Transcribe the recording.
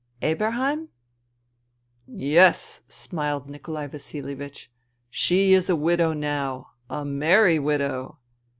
" Eberheim ?"" Yes," smiled Nikolai Vasilievich ;" she is a widow now. A merry widow